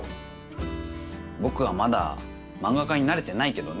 僕はまだ漫画家になれてないけどね。